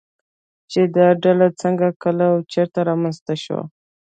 چې دا ډله څنگه، کله او چېرته رامنځته شوه